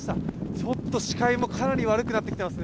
ちょっと視界もかなり悪くなってきていますね